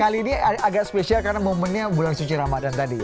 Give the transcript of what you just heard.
kali ini agak spesial karena momennya bulan suci ramadan tadi